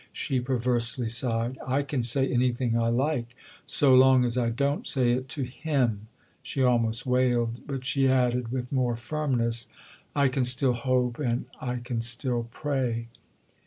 she perversely sighed. "I can say anything I like so long as I don't say it to him" she almost wailed. But she added with more firmness: "I can still hope—and I can still pray."